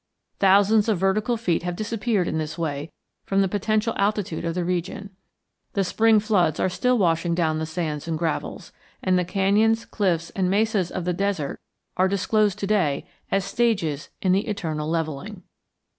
Thousands of vertical feet have disappeared in this way from the potential altitude of the region. The spring floods are still washing down the sands and gravels, and the canyons, cliffs, and mesas of the desert are disclosed to day as stages in the eternal levelling.